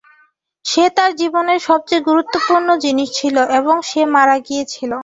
সে তার জীবনের সবচেয়ে গুরুত্বপূর্ণ জিনিস ছিল, এবং সে মারা গিয়েছিল।